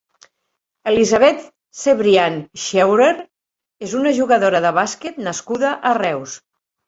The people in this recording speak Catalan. Elisabeth Cebrián Scheurer és una jugadora de bàsquet nascuda a Reus.